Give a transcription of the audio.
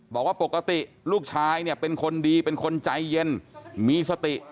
บอกว่าปกติลูกชายเนี่ยเป็นคนดีเป็นคนใจเย็นมีสติ